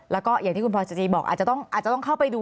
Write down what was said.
และก็อย่างที่คุณพอร์ตเจจีย์บอกอาจจะต้องเข้าไปดู